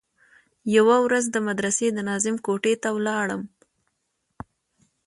يوه ورځ د مدرسې د ناظم کوټې ته ولاړم.